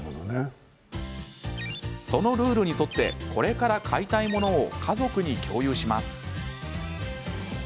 そのルールに沿ってこれから買いたいものを家族に共有します。